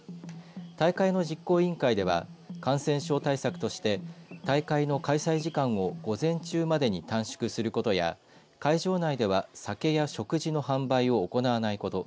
大会の実行委員会では感染症対策として大会の開催時間を午前中までに短縮することや会場内では酒や食事の販売を行わないこと。